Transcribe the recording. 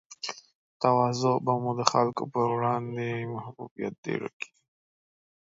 تواضع به مو د خلګو پر وړاندې محبوبیت ډېر کړي